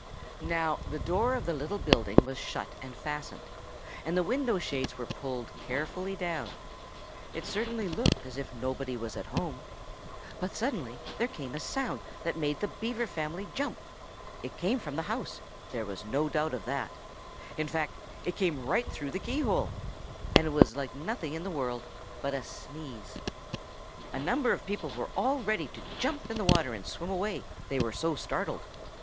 Now, the door of the little building was shut and fastened. And the window shades were pulled carefully down. It certainly looked as if nobody was at home. But suddenly there came a sound that made the Beaver family jump. It came from the house there was no doubt of that. In fact it came right through the keyhole; and it was like nothing in the world but a sneeze. A number of people were all ready to jump into the water and swim away, they were so startled.